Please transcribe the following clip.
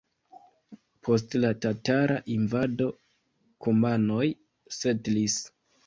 Post la tatara invado kumanoj setlis.